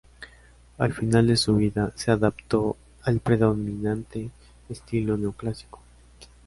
Al final de su vida, se adaptó al predominante estilo neoclásico.